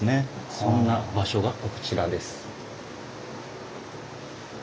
そんな場所がこちらです。